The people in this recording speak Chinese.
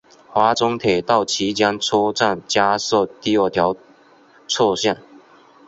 华中铁道期间车站加设第二条侧线。